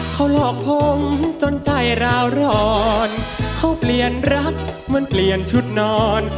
เขาหลอกผมจนใจราวร้อนเขาเปลี่ยนรักเหมือนเปลี่ยนชุดนอน